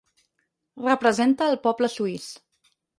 Representa al poble suís.